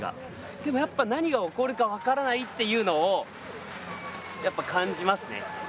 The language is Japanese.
でもやっぱ何が起こるか分からないというのを感じますね。